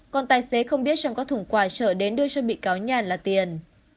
còn tài xế không biết trong các thùng quà trở đến đưa cho bị cáo nhàn là tiền